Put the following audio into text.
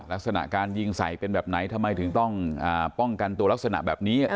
ลักษณะการยิงใส่เป็นแบบไหนทำไมถึงต้องป้องกันตัวลักษณะแบบนี้